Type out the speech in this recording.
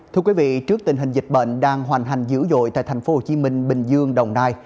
thưa quý vị trước tình hình dịch bệnh đang hoành hành dữ dội tại tp hcm bình dương đồng nai